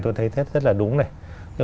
tôi thấy rất là đúng này